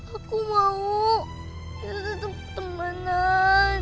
aku mau tetap temenan